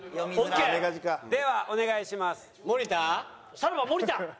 さらば森田。